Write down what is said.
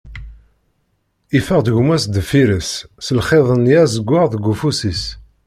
Iffeɣ-d gma-s deffir-s, s lxiḍ-nni azeggaɣ deg ufus-is.